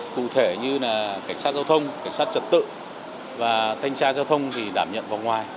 cụ thể như là cảnh sát giao thông cảnh sát trật tự và thanh tra giao thông thì đảm nhận vòng ngoài